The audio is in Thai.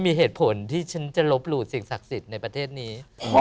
มีเหตุผลที่ฉันจะลบหลู่สิ่งศักดิ์สิทธิ์ในประเทศนี้